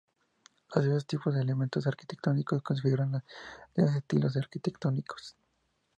Los diversos tipos de elementos arquitectónicos configuran los diferentes estilos arquitectónicos.